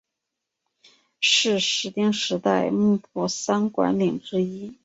是室町时代幕府三管领之一。